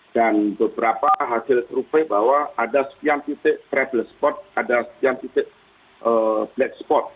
dan beberapa hasil trupe bahwa ada sekian titik travel spot ada sekian titik flight spot